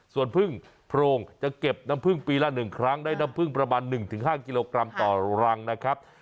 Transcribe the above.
ส่วนพึ่งโพรงจะเก็บน้ำพึ่งปีละ๑ครั้งได้น้ำพึ่งประมาณ๑๕กิโลกรัมต่อรังนะครับ